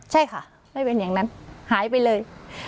ใช่ค่ะไม่เป็นอย่างนั้นหายไปเลย